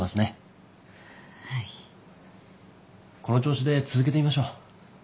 この調子で続けてみましょう。